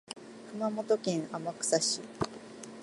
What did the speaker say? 熊本県天草市